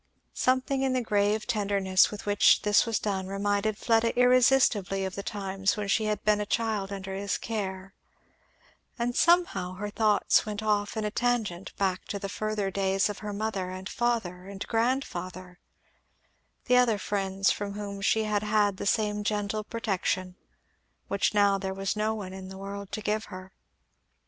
Something in the grave tenderness with which this was done reminded Fleda irresistibly of the times when she had been a child under his care; and somehow her thoughts went off on a tangent back to the further days of her mother and father and grandfather, the other friends from whom she had had the same gentle protection, which now there was no one in the world to give her.